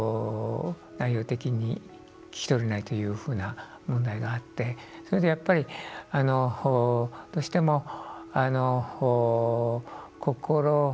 内容的に聞き取れないというふうな問題があってそれで、やっぱり、どうしても心。